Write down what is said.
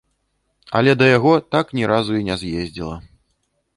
Але да яго так ні разу і не з'ездзіла.